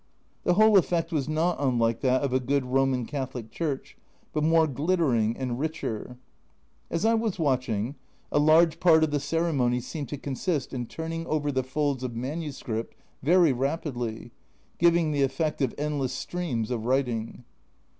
The whole effect was not unlike that of a good Roman Catholic Church, but more glittering and richer. As I was watching, a large part of the ceremony seemed A Journal from Japan 35 to consist in turning over the folds of manuscript very rapidly, giving the effect of endless streams of writing.